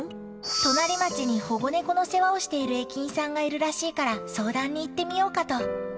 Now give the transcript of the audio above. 隣町に保護猫の世話をしている駅員さんがいるらしいから相談に行ってみようかと。